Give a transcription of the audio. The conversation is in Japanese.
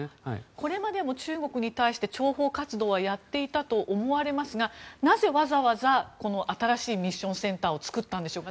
これまでも中国に対して諜報活動はやっていたと思われますがなぜわざわざこの新しいミッションセンターを作ったんでしょうか。